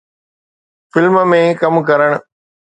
film ۾ ڪم ڪرڻ